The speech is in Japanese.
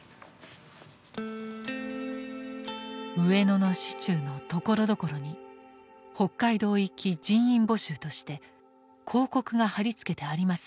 「上野の市中のところどころに北海道行人員募集として広告が貼り付けてあります